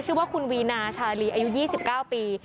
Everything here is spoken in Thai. ชื่อว่าคุณวีนาชาลีอายุ๒๙ปี